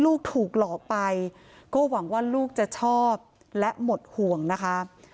ลูกถูกหลอกไปก็หวังว่าลูกจะชอบและหมดห่วงนะคะ